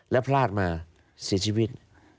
และพลาดมาเสียชีวิต